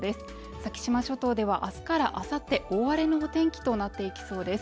先島諸島では明日からあさって大荒れのお天気となっていきそうです。